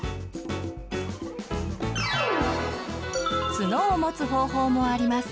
角を持つ方法もあります。